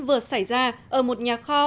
vừa xảy ra ở một nhà kho